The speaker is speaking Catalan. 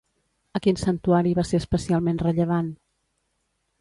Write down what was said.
A quin santuari va ser especialment rellevant?